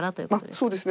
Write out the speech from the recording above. そうですね。